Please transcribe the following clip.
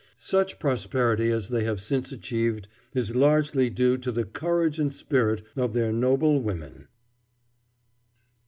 Such prosperity as they have since achieved is largely due to the courage and spirit of their noble women.